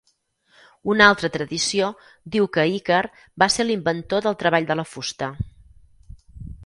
Una altra tradició diu que Ícar va ser l'inventor del treball de la fusta.